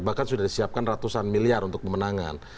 bahkan sudah disiapkan ratusan miliar untuk pemenangan